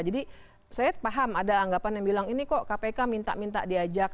jadi saya paham ada anggapan yang bilang ini kok kpk minta minta diajak